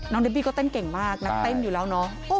เดบบี้ก็เต้นเก่งมากนักเต้นอยู่แล้วเนาะ